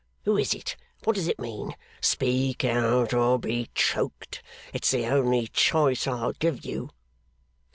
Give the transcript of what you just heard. Who is it? What does it mean! Speak out or be choked! It's the only choice I'll give you.